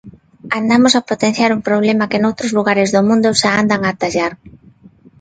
Andamos a potenciar un problema que noutros lugares do mundo xa andan a atallar.